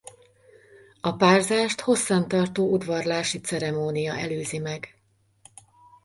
A párzást hosszan tartó udvarlási ceremónia előzi meg.